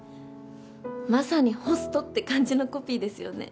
まさにホストって感じのコピーですよね。